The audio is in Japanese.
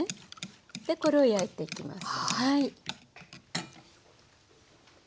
でこれを焼いていきます。